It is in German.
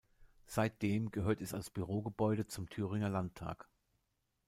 Seitdem gehört es als Bürogebäude zum Thüringer Landtag.